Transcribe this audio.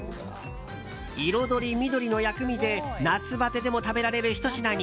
彩り、緑の薬味で夏バテでも食べられるひと品に。